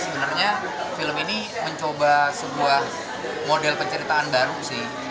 tapi pada dasarnya film ini mencoba sebuah model penceritaan baru sih